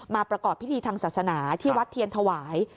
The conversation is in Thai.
ประกอบพิธีทางศาสนาที่วัดเทียนถวาย